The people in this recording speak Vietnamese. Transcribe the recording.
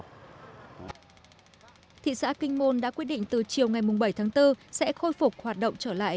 thị xã kinh môn đã quyết định từ chiều ngày bảy tháng bốn sẽ khôi phục hoạt động trở lại